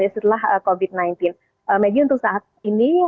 mungkin untuk saat ini